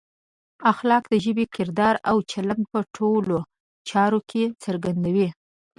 اخلاق د ژبې، کردار او چلند په ټولو چارو کې څرګندوي.